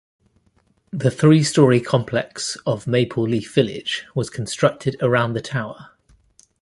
The three-story complex of Maple Leaf Village was constructed around the tower.